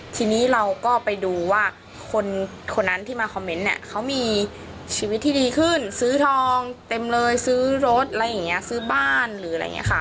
ทีนี้เราก็ไปดูว่าคนนั้นที่มาคอมเมนต์เนี่ยเขามีชีวิตที่ดีขึ้นซื้อทองเต็มเลยซื้อรถอะไรอย่างนี้ซื้อบ้านหรืออะไรอย่างนี้ค่ะ